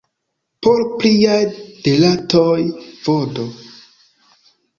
Por pliaj detaloj vd.